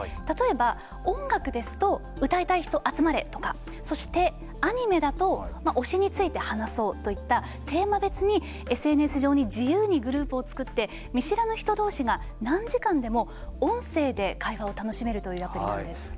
例えば音楽ですと歌いたい人集まれとかそしてアニメだと推しについて話そうといったテーマ別にＳＮＳ上に自由にグループを作って見知らぬ人どうしが何時間でも音声で会話を楽しめるというアプリなんです。